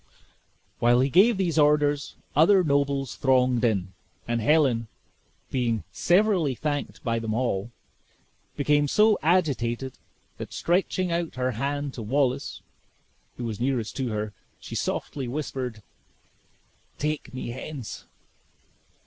While he gave these orders, other nobles thronged in, and Helen, being severally thanked by them all, became so agitated, that stretching out her hand to Wallace, who was nearest to her, she softly whispered, "Take me hence."